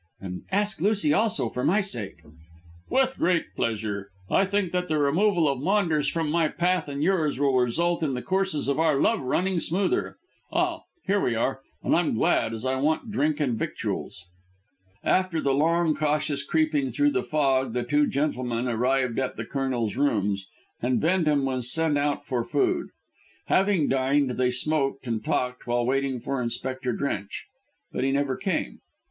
And ask Lucy also, for my sake." "With great pleasure. I think that the removal of Maunders from my path and yours will result in the courses of our love running smoother. Ah, here we are, and I'm glad, as I want drink and victuals." After the long, cautious creeping through the fog the two gentlemen arrived at the Colonel's rooms, and Bendham was sent out for food. Having dined, they smoked and talked while waiting for Inspector Drench. But he never came.